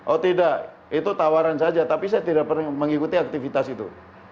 oh tidak itu tawaran saja tapi saya tidak pernah mengikuti aktivitas itu